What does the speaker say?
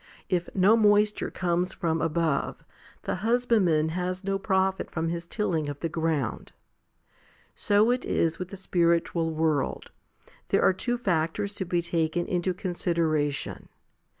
If no moisture comes from above, the husbandman has no profit from his tilling of the ground. So is it with the spiritual world. There are two factors to be taken into consideration.